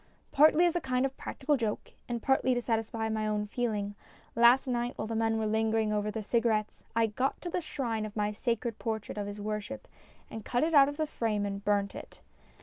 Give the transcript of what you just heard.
Partly as a kind of practical joke, and partly to satisfy my own feeling, last night, while the men were still lingering over the cigarettes, I got to the shrine of my sacred portrait of his worship, and cut it out of the frame and burnt it.